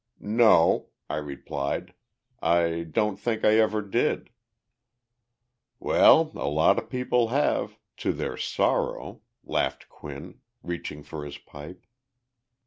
"No," I replied, "I don't think I ever did." "Well, a lot of people have to their sorrow," laughed Quinn, reaching for his pipe.